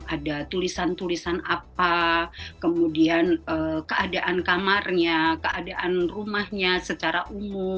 ada tulisan tulisan apa kemudian keadaan kamarnya keadaan rumahnya secara umum